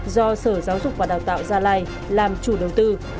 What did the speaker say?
do sở giáo dục và đào tạo gia lai làm chủ đầu tư